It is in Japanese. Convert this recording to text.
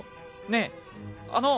ねえあの。